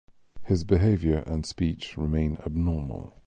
His behaviour and speech remain abnormal.